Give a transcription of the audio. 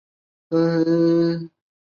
三方郡为福井县的郡。